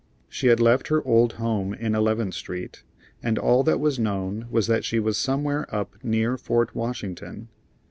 She had left her old home in Eleventh Street, and all that was known was that she was somewhere up near Fort Washington.